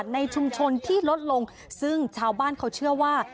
ในชุมชนที่ลดลงซึ่งชาวบ้านเขาเชื่อว่า